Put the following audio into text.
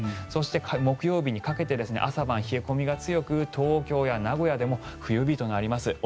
そして、木曜日にかけて朝晩冷え込みが強く東京や名古屋でも冬日となります